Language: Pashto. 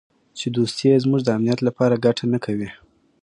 چې دوستي یې زموږ د امنیت لپاره ګټه نه کوي.